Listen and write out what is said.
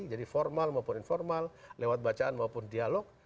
jadi formal maupun informal lewat bacaan maupun dialog